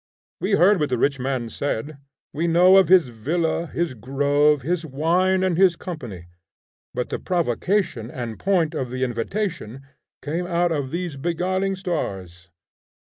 We heard what the rich man said, we knew of his villa, his grove, his wine and his company, but the provocation and point of the invitation came out of these beguiling stars.